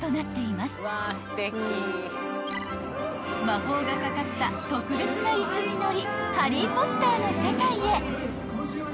［魔法がかかった特別な椅子に乗り『ハリー・ポッター』の世界へ］